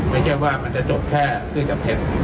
ไม่ใช่ว่ามันจะจบแค่เครื่องจับเท็จ